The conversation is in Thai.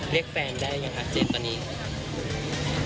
เรียกแฟนได้หรือยังครับเจนตอนนี้